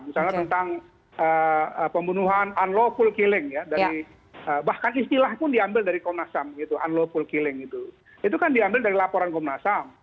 misalnya tentang pembunuhan unlawful killing bahkan istilah pun diambil dari komnas ham itu kan diambil dari laporan komnas ham